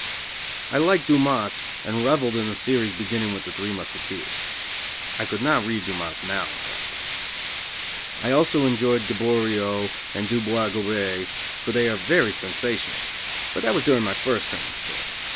I liked Dumas, and revelled in the series beginning with The Three Musketeers. I could not read Dumas now, however. I also enjoyed Gaboriau and Du Boisgobey, for they are very sensational; but that was during my first term in stir.